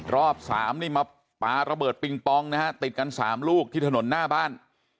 รอบ๓นี่มาปลาระเบิดปิงปองนะฮะติดกัน๓ลูกที่ถนนหน้าบ้าน